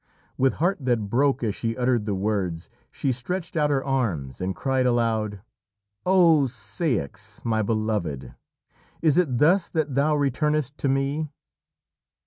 With heart that broke as she uttered the words, she stretched out her arms and cried aloud: "O Ceyx! my Beloved! is it thus that thou returnest to me?"